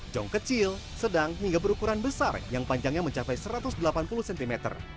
jong kecil sedang hingga berukuran besar yang panjangnya mencapai satu ratus delapan puluh cm